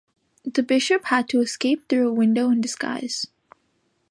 The Bishop had to escape through a window in disguise.